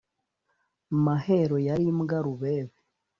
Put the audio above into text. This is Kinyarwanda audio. Mahero yari mbwa rubebe